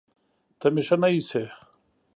ته مې ښه نه ايسې